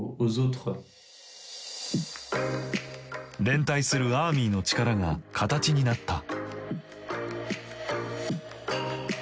連帯するアーミーの力が形になった。